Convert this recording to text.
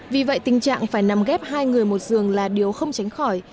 vì vậy tình trạng phải nằm ghép hai người một giường là điều không tránh khỏi